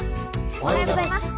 おはようございます。